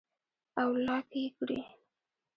او لاک ئې کړي